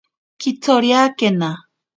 Kitsoriakena.